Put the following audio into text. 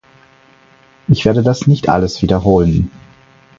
Ich werde das nicht alles wiederholen.